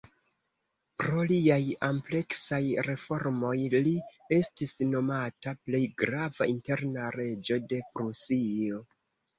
Pro liaj ampleksaj reformoj li estis nomata "plej grava interna reĝo de Prusio".